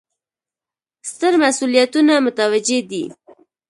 ستر مسوولیتونه متوجه دي.